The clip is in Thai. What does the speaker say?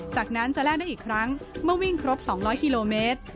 จากนั้นจะแลกได้อีกครั้งเมื่อวิ่งครบ๒๐๐กิโลเมตร